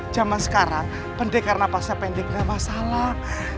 zaman sekarang pendek karena pasca pendek nggak masalah